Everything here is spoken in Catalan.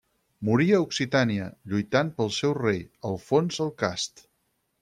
Morí a Occitània, lluitant pel seu rei, Alfons el Cast.